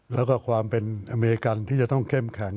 แล้วก็ความเป็นอเมริกันที่จะต้องเข้มแข็ง